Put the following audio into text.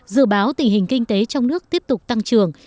dự báo tình hình kinh tế trong nước tiếp tục tăng trưởng